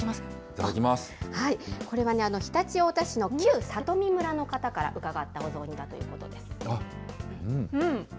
これはね、常陸太田市の旧さとみ村の方から伺ったお雑煮だということです。